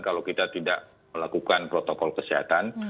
kalau kita tidak melakukan protokol kesehatan